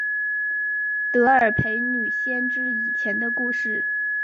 德尔斐女先知以前的故事。